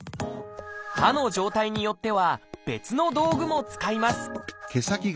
歯の状態によっては別の道具も使います